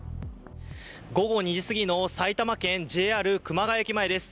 午後２時すぎの埼玉県ＪＲ熊谷駅前です。